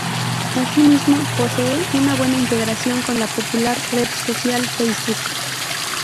Asimismo, posee una buena integración con la popular red social Facebook.